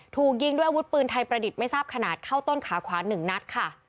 ถูกยิงด้วยอาวุธปืนไทยประดิษฐ์ไม่ทราบขนาดเข้าต้นขาขวา๑นัดค่ะ